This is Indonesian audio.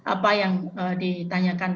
apa yang ditanyakan